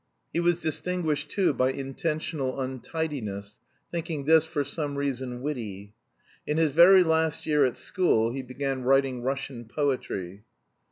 He was distinguished, too, by intentional untidiness, thinking this, for some reason, witty. In his very last year at school he began writing Russian poetry.